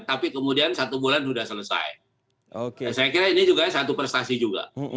tapi kemudian satu bulan sudah selesai saya kira ini juga satu prestasi juga